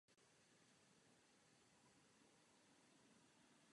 Obchod už nikdy nebude takový, jaký býval.